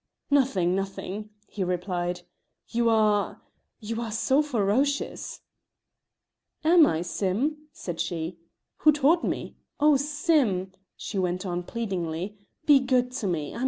"Nothing, nothing," he replied; "you are you are so ferocious." "Am I, Sim?" said she. "Who taught me? Oh, Sim," she went on, pleadingly, "be good to me.